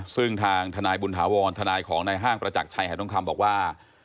ซึ่งทางทนายบุญถาวรทนายของนายห้างประจักรชัยหายทองคำบอกว่า